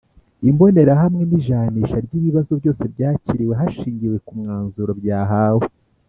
Imbonerahamwe n Ijanisha ry ibibazo byose byakiriwe hashingiwe ku mwanzuro byahawe